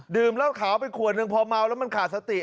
ดื่มเล่าขาวไปขวดนึงพอเมาแล้วมันขาดสติ